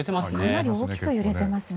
かなり大きく揺れていますね。